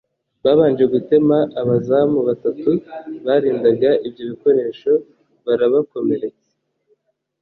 babanje gutema abazamu batatu barindaga ibyo bikoresho barabakomeretsa